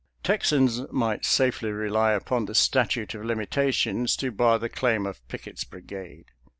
Texans might safely rely upon the statute of limitations to bar the claim of Pickett's brigade.